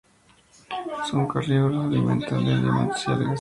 Son carnívoros o se alimentan de diatomeas y algas.